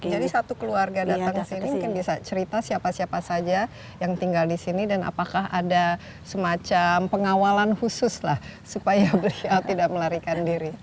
jadi satu keluarga datang kesini mungkin bisa cerita siapa siapa saja yang tinggal disini dan apakah ada semacam pengawalan khusus lah supaya beliau tidak melarikan diri